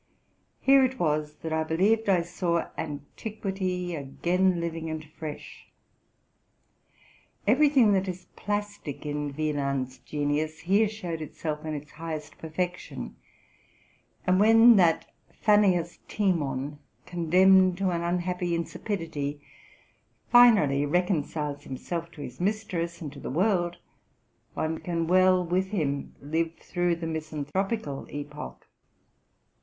Here it was that I believed I saw antiquity again living and fresh. Every thing that is plastic in Wieland's genius here showed itself in its highest RELATING TO MY LIFE. 225 perfection ; and when that Phanias Timon, condemned to an unhappy insipidity, finally reconciles himself to his mistress and to the world, one can well, with anaes live through the misanthropical epoch.